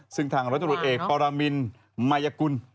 ซึ่งทางรัฐรุนเอกปรามินมัยกุล